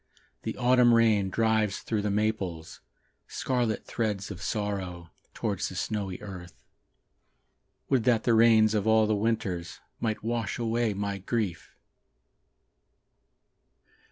The autumn rain drives through the maples Scarlet threads of sorrow, Towards the snowy earth. Would that the rains of all the winters Might wash away my grief!